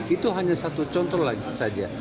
itu hanya satu contoh lagi saja